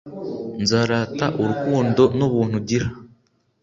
nzarata urukundo n'ubuntu ugira